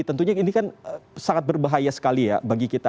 tentunya ini kan sangat berbahaya sekali ya bagi kita